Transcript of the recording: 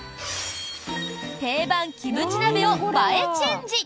定番キムチ鍋を映えチェンジ！